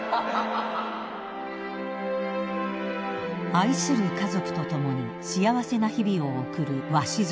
［愛する家族と共に幸せな日々を送る鷲津